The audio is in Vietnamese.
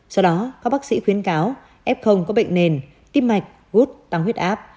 sau đó các bác sĩ khuyên cáo f có bệnh nền tim mạch gút tăng huyết áp